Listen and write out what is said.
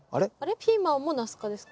ピーマンもナス科でしたっけ？